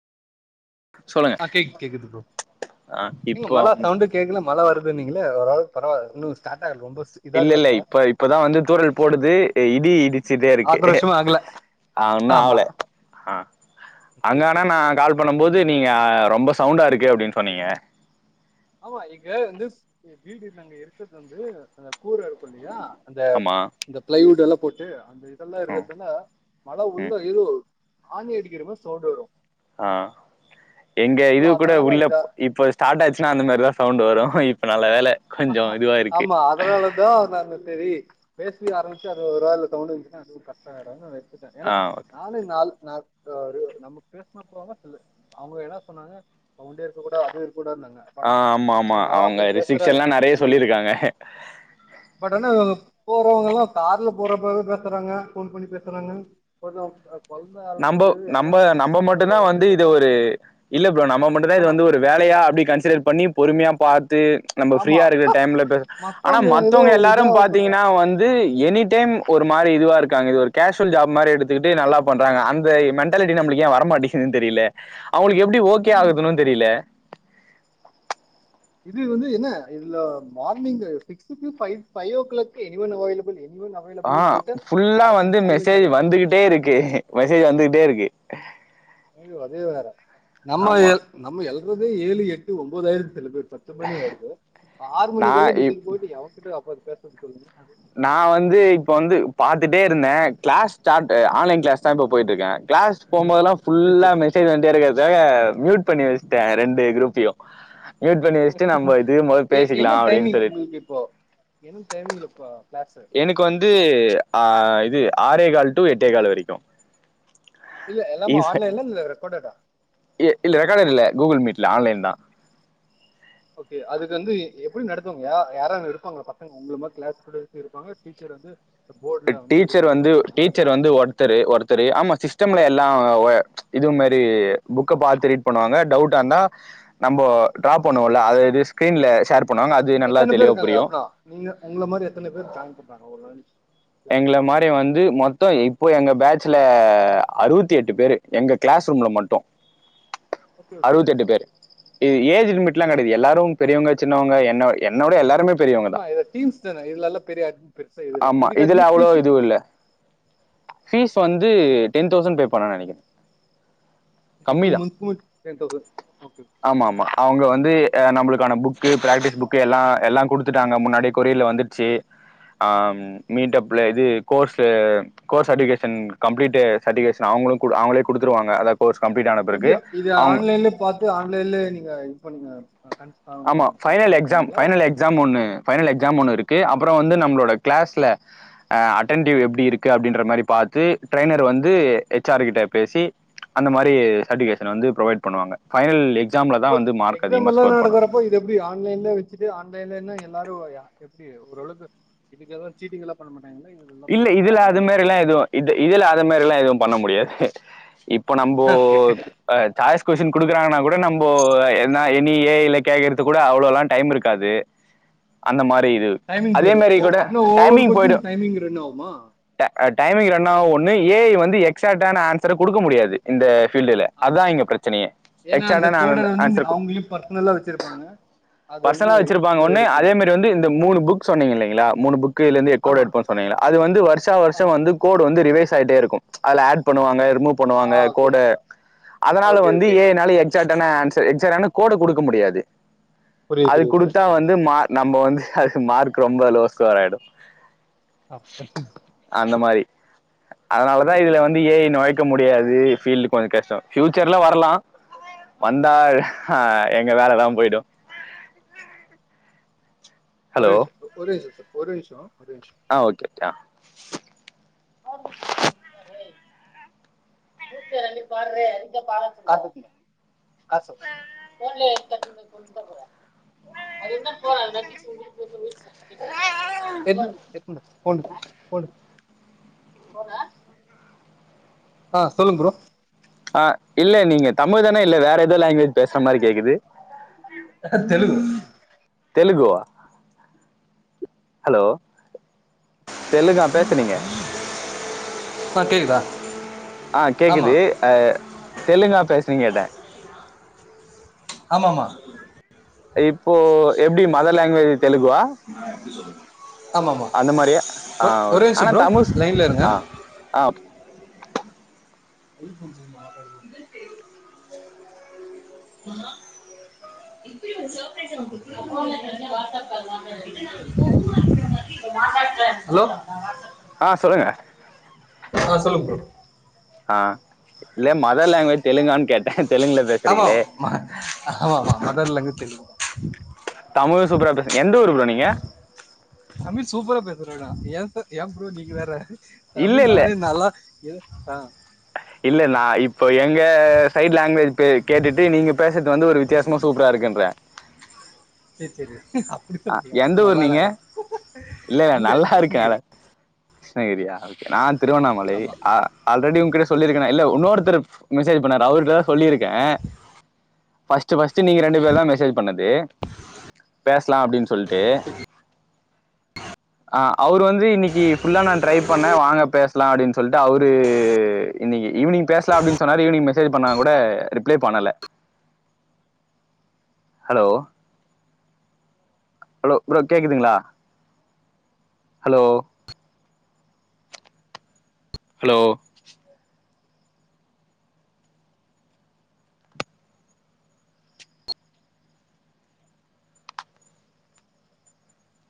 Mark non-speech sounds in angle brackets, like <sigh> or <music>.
சொல்லுங்க ஆஹ் கே கேக்குது ஆ ப்ரோ இப்போ மழ சவுண்டே கேக்குல மழ வரு இருந்தீங்களல ஒருரளவு பரவ இன்னும் ஸ்டார்ட் ஆகல ரொம்ப இல்ல இதாகல இல்ல போல இப்ப இப்பதான் வந்து தூறல் போடுது இடி இடிச்சிட்டே இருக்கு ஆக்ரோஷமா ஆகல ஆஹ ஒன்னோ ஆமா ஆவல ஆஹ் ஓகே அங்க ஓகே ஆனா நான் கால் பண்ணு போது நீங்க ரொம்ப சவுண்டா இருக்கு அப்டின்னு சொன்னீங்க ஆமா இங்க வந்து வீடு நாங்க இருக்கது வந்து கூரை இருக்கும் இல்லையா அந்த ஆமா இந்த பிளைவுட் எல்லா போட்டு அந்த இதெல்லாம் ம் இருக்கிறதுனால மழை ம் உழுந்தா எதே ஆணி அடிக்கிறமாரி சவுண்டு வரும் ஆஹ் எங்க இது கூட அதனால உள்ள இத இப்ப ஸ்டார்ட் ஆச்சுன்னா அந்த மாதிரிதான் சவுண்ட் வரும் இப்ப நல்ல வேளை ஆமா அதனாலதான் நான் சரி பேசி ஆரம்பிச்சு அது ஒரு வேளை சவுண்டு வந்துச்சின்னா அது கஷ்டம் அயிடும் ஏன்னா ஆ ஓகே. நாலே நாள் நமக்கு பேசன போறவாங்க அவங்க என்ன சொன்னாங்க சவுண்டே இருக்க கூட அது கூடாதுனாங்க ஆனா ஆஹ் ஆமா ஆமா எல்லாரு அவங்க அப்படியே ரிசிக்ஷன் பேசுறாங்க எல்லா நெறைய இருந்தாலு சொல்லிருக்காங்க போறவங்கல்லாம் கார்ல போறப்ப பேசுறாங்க போன் பண்ணி பேசுறாங்க கொழந்த நம்ம அழுறது நம்ம எல்லாமே மிக்சி நம்ம போற மட்டும்தான் சவுண்டு வந்து இது எல்லா ஒரு இல்ல ப்ரோ நம்ம மட்டும் தான் இது ஆமா வந்து ஒரு வேலையா அப்படி கன்சிடர் பண்ணி பொறுமையா ப து நம்ம ஆமா ஃபிரியா இருக்கிற டைம்ல பேச ஆனா ஏதோ மத்தவங்க ஒரு இதா எல்லாரும் பண்றாங்க பாத்தீங்கன்னா வந்து எனி டைம் ஒரு மாரி இதுவா இருக்கு இது ஒரு கேஷுவல் ஜாப் மாரி எடுத்துட்டு நல்லா பண்றாங்க அந்த மொன்டலிட்டி நமளுக்கு ஏ மாட்டேங்குது தெரில அவங்களுக்கு எப்படி ஓகே ஆகுதுன்னும் தெரில இது வந்து என்ன இதுல morning six to by five o'clock any one available anyone அவைலபிள்னு ஆஹ் போட்டு ஃபுல்லா யாரா வந்து நிக்குங்களும் மெசேஜ் கேக்குறாங்க அந்த வந்துகிட்டே இருக்கு மெசேஜ் வந்து டே இருக்கு நம்ம ஆமா. எல் இருபது ஏழு எட்டு ஒன்பதாயிரம் சில பேர் பத்து மணி ஆயடுது ஆறு நான் மணிக்கெல்லாம் இ மெசேஜ் போட்டு எவகிட்ட <unintelligible> <inaudible> நான் வந்து இப்ப வந்து பாத்துட்டே இருந்தேன் கிளாஸ் ஸ்டார்ட் ஆன்லைன் கிளாஸ் தான் இப்ப போயிட்டு இருக்கேன் கிளாஸ் போகும்போதெல்லாம் சரி ஃபுல்லா சரி மெசேஜ் வந்துட்டே இருக்கது அதுக்காக மியூட் பண்ணி வச்சுட்டேன் ரெண்டு குரூப்பையும் மியூட் பண்ணி வச்சுட்டு நம்ம இதுக்கு மொத எ என்ன பேசிக்கலாம் அப்படின்னு டைமிங் சொல்லிட்டு. உங்களுக்கு இப்போ என்ன டைமிங்ல இப்போ கிளாஸ் எனக்கு வந்து ஆஹ் ஆறே கால் டு எட்டே கால் வரைக்கு இல்ல <unintelligible> இ எல்லாமே ஆன்லைன்ல இல்ல ரெக்கார்டடா இல்ல ரெக்கார்டட் இல்ல கூகுள் மீட் இல்ல ஆன்லைன்தா ஓகே அதுக்கு வந்து எ எப்டி நடத்துவாங்க யா யாராவது இருப்பாங்களா பசங்க உங்கள மார கிளாஸ் ஸ்டூண்ட்ஸ் இருப்பாங்க டீச்சர் வந்து டி போர்டில் வந்து இது டீச்சர் பண்ற வந்து மாதிரி தானா அதுவும் டீச்சர் வந்து ஒருத்தரு ஒருத்தரு ஆமா சிஸ்டம்ல எல்லா ஆ ஒ இது மாரி புக்க பாத்து ரீட் பண்ணுவாங்க டவுட்டா இருந்தா நம்போ ட்ரா பண்ணுவோல்ல அது அப்டியே ஸ்கிரீன்ல ஷேர் பண்ணுவாங்க அது நல்லா எத்தன பேர் தெளிவா இருக்காங்க புரியும் அப்றா நீங்க உங்கள மாரி எத்தன பேர் ஜாயின் பண்றாங்க ஒரு <unintelligible> எங்கள க்கு? மாரி வந்து மொத்தோ எ இப்போ எங்க பேட்ச்ல அறுபத்தி எட்டு பேரு எங்க கிளாஸ் ரூம்ல மட்டு ஓகே ஓகே அறுபத்தி எட்டு பேர் இது ஏஜ் லிமிட் எல்லா கெடையாது எல்லாரு பெரியவங்க சின்னவங்க என்ன என்ன விட எல்லாருமே பெரியவங்க ஆமா தான் இது டீம்ஸ்தான இதுலல்லா பெரிய அது பெருசா இது இல்ல ஆமா இது இதுல அவ்ளோ இதுவு இல்ல ஃபீஸ் வந்து டென் தௌசண்ட் பே பண்ணேன்னு நெனைக்கிறே இதுக்கு டூ கம்மிதா மந்த்க்கு டென் தௌசண்ட் ஓகே ஓகே ஆமா ஆமா அவங்க வந்து ஆ நம்மளுக்கான புக்கு ப்ராக்டிஸ் புக்கு எல்லா எல்லா குடுத்துட்டாங்க முன்னாடியே கொரியர்ல வந்துருச்சி அம் மீட்டப்ல இது course course certification complete certification அவங்களு அவங்களே குடுத்துருவாங்க அத எப்டியா இது ஆன்லைன்லயே பாத்து ஆன்லைன்லயே நீங்க இது பண்ணீங்க ஆமா ஃபைனல் கன்சல்ட் எக்ஸாம் பண்ணீங்களா இல்ல ஃபைனல் எக்ஸாம் ஒண்ணு ஃபைனல் எக்ஸாம் ஒண்ணு இருக்கு அப் புறோ வந்து நம்மளோட கிளாஸ்ல ஆ அட்டன்டிவ் எப்டி இருக்கு அப்டின்ற மாரி பாத்து ட்ரைனர் வந்து ஹெச் ஆர் கிட்ட பேசி அந்த மாரி சர்டிஃபிகேஷன் வந்து புரொவைட் பண்ணுவாங்க எக்ஸாம்லதா வந்து மார்க் அதிகமாக ஸ்கோர் பண்ணணு து எப்டி ஆன்லைன்லயே வச்சுட்டு ஆன்லைன்லனா எல்லாரு யா எப்டி ஓரளவுக்கு இதுக்கு எதா சீட்டிங்லா பண்ண மாட்டா இல்ல இதுல அது மாரில்லா எதுவு இது இதுல அது மாரில்லா எதுவும் பண்ண முடியாது இப்ப நம்போ அளவுக்கு ஆ சாய்ஸ் கொஸ்ஸின் குடுக்குறாங்கன்னா கூ ட நம்போ எதுனா <unintelligible> நீ ஏ ஐ ல கேக்கறதுக்கு கூட அவ்ளவுல்லா டைம் இருக்காது அந்த மா டைமிங் போயிடு ஓ அப்பனா ஒவ்வொரு கொஸ்டினுக்கு டைமிங் ரன் ஆவு ஆமா ஆ டைமிங் ரன் ஆவு ஒண்ணு ஏ ஐ வந்து எக்ஸாக்டான ஆன்சர குடுக்க முடியாது இந்த ஃபீல்டுல ஆமா அதா இங்க பிரச்சனையே ஏன்னா அந்த எக்ஸாக்டான ஆன் கோடர் வந்து ஆன்சர் அவங்களே பர்சனலா வச்சிருப்பாங்க அது வந்து பர்சனா வச்சிருப்பாங்க இது ஒண்ணு எடுக்க அதே முடியாது மாரி வந்து இந்த மூணு புக் சொன்னீங்க இல்லைங்களா மூணு புக். ஆமா <unintelligible> சொன்னீங்கள அது வந்து வருஷா ஆ வருஷா வந்து கோடு வந்து ரிவைஸ். ஐட்டாயிட்டே இருக்கு ம்ச் அதுல ஏட் பண்ணுவாங்க இரு. மூவ் பண்ணுவாங்க. ஆ ஓகே கோட அதனால ஓகே வந்து ஓகே ஏனால எக்ஸாக்டான ஏன்சர் எக். சரான கோடு கொடுக்க முடியாது. புரியுது அது புரியுது புரியுது கொடுத்தா புரியுது வந்து மா நம்ம வந்து. அது மார்க் ரொம்ப லோஸ்சா ஆயிடு. <unintelligible> அதனாலதா ஓகே இதுல ப்ரோ வந்து ஓகே ஏஐ நொழைக்க முடியாது ஃபீல்டு கொஞ்சோ கஷ்டோ. புயூச்சர்ல வரலா வந்தா ஹ எங்க வேலதா போயிடு. ஒரு நிம்சோ ஒரே நிம்சோ சார். ஒரு நிம்ஷோ. ஆஹ ஓகேட்டா. <unintelligible> போனா. ஆஹ சொல்லுங்க ப்ரோ. ஆஹ இல்ல நீங்க தமிழ்தான இல்ல வேற ஏதோ லாங்குவேஜ் பேசுற மாரி கேக்குது. அஹ தெலுங்கு. தெலுங்குவா ஹலோ. தெலுங்கா பேசுனீங்க. இப்ப கேக்குதா. ஆஹ ஆமா கேக்குது அ தெலுங்கா பேஸ். கொஸ்டிங்கேட்ட. ஆமாமா. ஏப். <unintelligible> ஆமாமா அந்த மாரியா ஆ ஒரே ஓகே நிம்ஷோ ஆனா ப்ரோ தமிழ் ஸ்- லைன்ல இருங்க. ஆ ஆ ஓகே <unintelligible> <unintelligible> ஆஹ சொல்லுங்க. ஆஹ சொல்லுங் ப்ரோ. ஆஹ இல்ல மதர் லாங்குவேஜ் தெலுங்கான். ஆமா ஆமா ஆமா மதர்லேங்குவேஜ் தெலுங்குதா. தமிழே சூப்பரா பேசுரிங்க எந்த ஊர் ப்ரோ நீங்க. தமிழ் சூப்பரா பேசுறனா ஏ சார் ஏ ப்ரோ நீங்க வேற. இல்ல தமிழ் இல்ல நானே நல்லா. ல்ல ஆஹ. இல்ல நா இப்போ எங்க சைட் லாங்குவேஜ் பே கேட்டுட்டு நீங்க பேசுறது வந்து ஒரு வித்தியாசமா சூப்பரா இருக்குன்றேன் தெரிய அஹ் எந்த ஊர் நீங்க இல்ல இங்க நல்லா இருக்ககே அத கிருஷ்ணகிரி கிருஷ்ணகிரியா ஓகே நான் திருவண்ணாமலை ஆமா ஆல் ஆல்ரெடி உங்கிட்ட சரி சரி சொல்லியிருக்கேனா இல்ல இன்னொருத்தரு மெசேஜ் பண்ணாரு அவரு ட தா சொல்லி இருக் கேன் பஸ்ட்டு பஸ்ட்டு நீங்க ரெண்டு பேர் தா மெசஜ் பண்ணது பேஸ் பேசலா அப்டின்னு சொல்லிட்டு ஆ அ அவர் வந்து இன்னிக்கு ஃபுல்லா நா ட்ரை பண்ணே வாங்க பேசலா அப்டினு சொல்டு அவுரு இன்னிகு ஈவினிங் பேஸ்லா அப்டினு சொன்னாரு ஈவினிங் மெசேஜ் பண்ண கூட ரிப்ளை பண்ண ஹலோ ஹலோ ப்ரோ கேக்குதுங்களா ஹலோ ஹலோ